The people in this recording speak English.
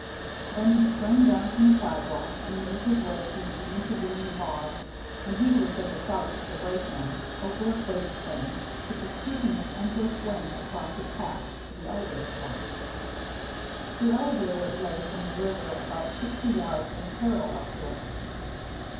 Then he sprang down from the sidewalk and made his way through the intervening bogs and, heedless of the shouts of the brakemen, over a freight train which was creaking its endless length across his path, to the elevator site. The elevator lay back from the river about sixty yards and parallel to it.